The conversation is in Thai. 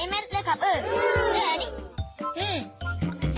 อีม้าให้ภวมวิตปุ่นละนี่หยุดพ่อนี่เลยเนี่ย